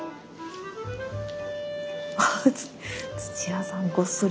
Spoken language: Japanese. あっ土屋さんごっそり！